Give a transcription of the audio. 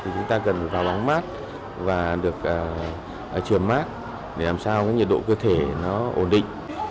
chúng ta cần vào bóng mát và được chuyển mát để làm sao nhiệt độ cơ thể nó ổn định